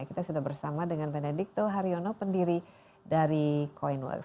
kita sudah bersama dengan benedikto haryono pendiri dari coinworks